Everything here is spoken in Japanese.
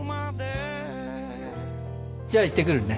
じゃあいってくるね。